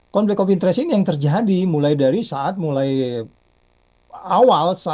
conflict of interest ini yang terjadi mulai dari saat mulai awal sekali kita melaksanakan eleksi ini